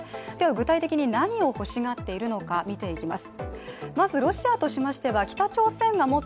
具体的に何を欲しがっているのか見ていきます。